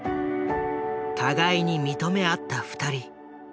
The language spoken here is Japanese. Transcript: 互いに認め合った２人。